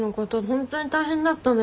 ホントに大変だったね。